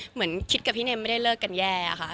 เหมือนคิดกับพี่เมมไม่ได้เลิกกันแย่ค่ะ